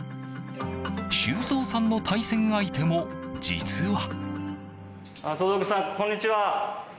修造さんの対戦相手も、実は。